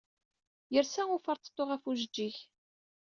Yersa uferṭeṭṭu ɣef ujeǧǧig.